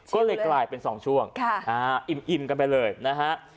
ก็เลยกลายเป็น๒ช่วงอิ่มกันไปเลยนะฮะ